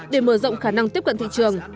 để mở rộng khả năng tiếp cận thị trường